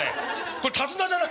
これ手綱じゃないのよ。